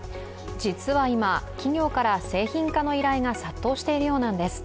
実は今、企業から製品化の依頼が殺到しているようなんです。